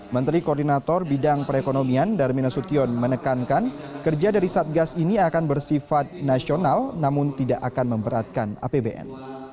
menteri koordinator bidang perekonomian darmin nasution menekankan kerja dari satgas ini akan bersifat nasional namun tidak akan memberatkan apbn